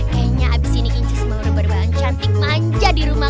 kayaknya abis ini inciz mau berbual cantik manja di rumah